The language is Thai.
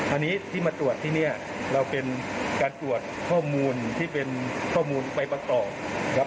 อันนี้ที่มาตรวจที่นี่เราเป็นการตรวจข้อมูลที่เป็นข้อมูลไปประกอบครับ